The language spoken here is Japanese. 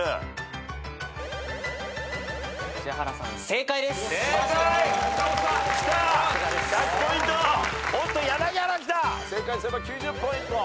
正解すれば９０ポイント。